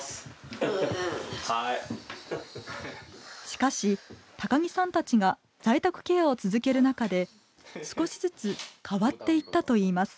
しかし高木さんたちが在宅ケアを続ける中で少しずつ変わっていったといいます。